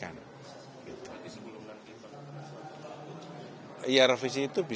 ya mungkin revisi itu dimungkinkan